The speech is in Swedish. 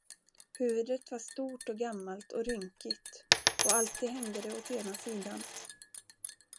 Huvudet var stort och gammalt och rynkigt, och alltid hängde det åt ena sidan.